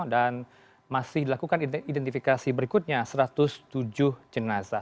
dan masih dilakukan identifikasi berikutnya satu ratus tujuh jenazah